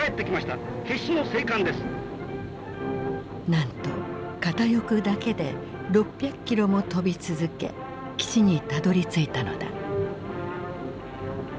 なんと片翼だけで６００キロも飛び続け基地にたどりついたのだ。